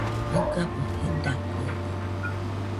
Jaɨgabɨ jedakɨede